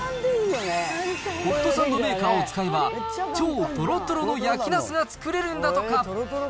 ホットサンドメーカーを使えば、超とろとろの焼きなすが作れるんだとか。